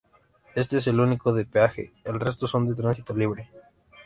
Este es el único de peaje, el resto son de tránsito libre.